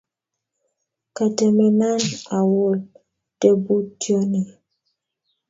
Katemenan awol tebutyo ni